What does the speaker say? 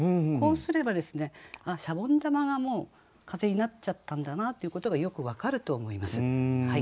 こうすれば石鹸玉がもう風になっちゃったんだなということがよく分かると思います。